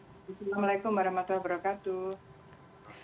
assalamu'alaikum warahmatullahi wabarakatuh